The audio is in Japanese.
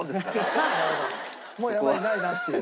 もうやばいないなっていう。